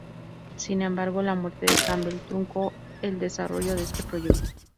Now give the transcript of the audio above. Sin embargo, la muerte de Campbell truncó el desarrollo de este proyecto.